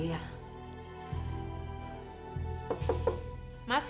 jangan sampai dulu